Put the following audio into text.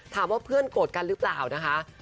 ถามว่าเพื่อนโกรธกันหรือเปล่านะคะ